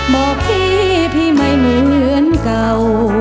บอกพี่พี่ไม่เหมือนเก่า